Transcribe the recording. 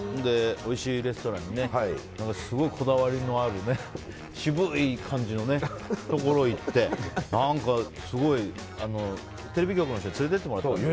おいしいレストランにすごいこだわりのある渋い感じのところに行って何か、すごいテレビ局の人に連れてってもらったのよ。